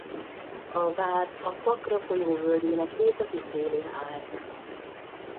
A vár a Pakra folyó völgyének északi szélén állt.